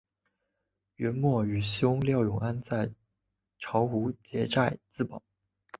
元末与兄廖永安在巢湖结寨自保。